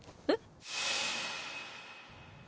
えっ。